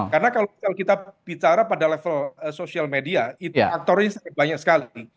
karena kalau kita bicara pada level sosial media aktornya banyak sekali